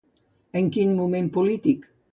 En quin moment polític?